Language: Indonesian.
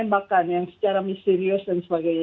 tembakan yang secara misterius dan sebagainya